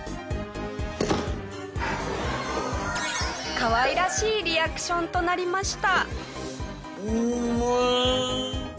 かわいらしいリアクションとなりました。